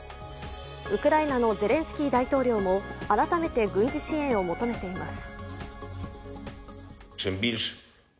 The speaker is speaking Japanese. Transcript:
ウクライナのゼレンスキー大統領も改めて軍事支援を求めています。